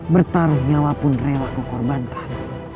bertaruh nyawa pun rewat kukorbankan